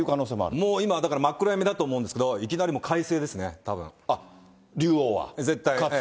もうだから真っ暗闇だと思うんですけど、いきなりもう、かいあっ、竜王は。